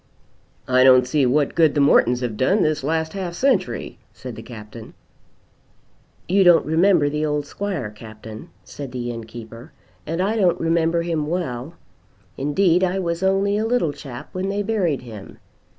"I don't see what good the Mortons have done this last half century," said the Captain. "You don't remember the old squire, Captain," said the innkeeper, "and I don't remember him well. Indeed I was only a little chap when they buried him.